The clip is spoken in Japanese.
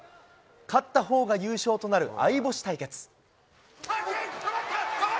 勝ったほうが優勝となる相星対決。